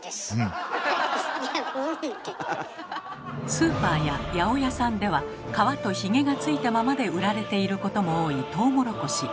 スーパーや八百屋さんでは皮とヒゲがついたままで売られていることも多いトウモロコシ。